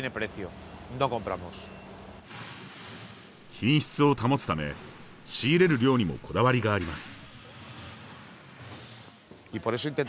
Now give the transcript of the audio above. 品質を保つため仕入れる量にもこだわりがあります。